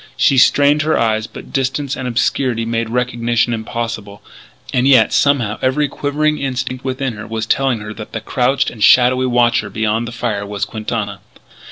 She strained her eyes; but distance and obscurity made recognition impossible. And yet, somehow, every quivering instinct within her was telling her that the crouched and shadowy watcher beyond the fire was Quintana.